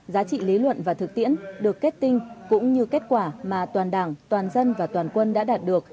giá trị lý luận và thực tiễn được kết tinh cũng như kết quả mà toàn đảng toàn dân và toàn quân đã đạt được